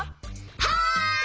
はい！